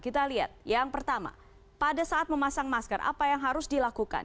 kita lihat yang pertama pada saat memasang masker apa yang harus dilakukan